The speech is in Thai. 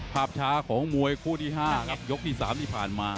ภาพช้าของมวยคู่ที่๕ครับยกที่๓ที่ผ่านมา